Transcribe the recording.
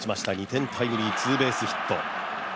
２点タイムリー、ツーベースヒット。